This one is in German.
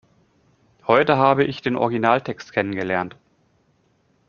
Heute habe ich den Originaltext kennen gelernt.